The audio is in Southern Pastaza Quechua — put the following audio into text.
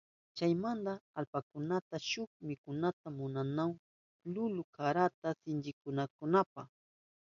Chaymanta atallpakunaka shuk mikunata munanahun lulun karata sinchiyachinankunapa.